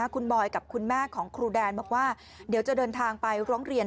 คุณบอยกับคุณแม่ของครูแดนบอกว่าเดี๋ยวจะเดินทางไปร้องเรียน